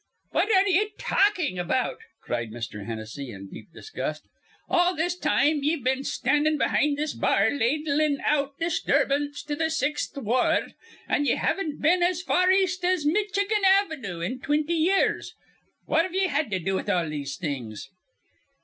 "What ar re ye talkin' about?" cried Mr. Hennessy, in deep disgust. "All this time ye've been standin' behind this bar ladlin' out disturbance to th' Sixth Wa ard, an' ye haven't been as far east as Mitchigan Avnoo in twinty years. What have ye had to do with all these things?"